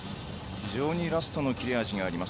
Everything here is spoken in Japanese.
非常にラストの切れ味があります。